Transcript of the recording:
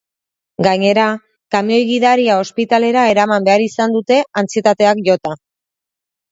Gainera, kamioi-gidaria ospitalera eraman behar izan dute antsietateak jota.